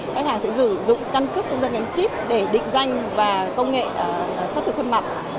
khách hàng sẽ sử dụng căn cứ công dân gắn chip để định danh và công nghệ sát thử khuôn mặt